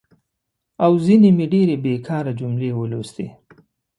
او ځینې مې ډېرې بېکاره جملې ولوستي.